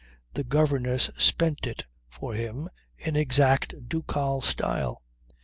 The governess spent it for him in extra ducal style.